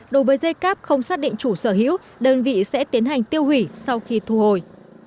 đối với dây cáp không xác định chủ sở hữu đơn vị sẽ tiến hành tiêu hủy sau khi thu hồi